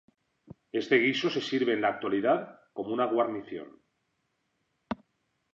Este guiso se sirve en la actualidad como una guarnición.